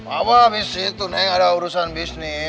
abah abis itu neng ada urusan bisnis